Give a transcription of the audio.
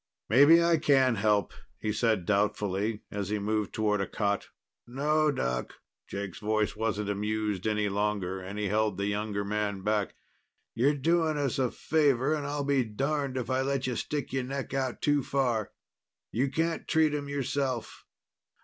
"Maybe I can help," he said doubtfully as he moved toward a cot. "No, Doc." Jake's voice wasn't amused any longer, and he held the younger man back. "You're doing us a favor, and I'll be darned if I'll let you stick your neck out too far. You can't treat 'em yourself.